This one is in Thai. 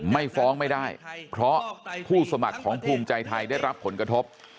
ไม่ฟ้องไม่ได้เพราะผู้สมัครของภูมิใจไทยได้รับผลกระทบ